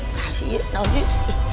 sasi tau sih